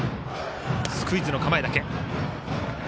スクイズの構えだけ。